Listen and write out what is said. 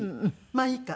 まあいいか。